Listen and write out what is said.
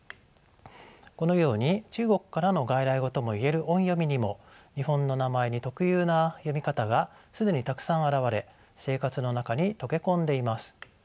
このように中国からの外来語とも言える音読みにも日本の名前に特有な読み方が既にたくさん現れ生活の中に溶け込んでいます。